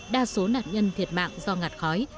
đa số nạn nhân thiệt mạng do ngạt khói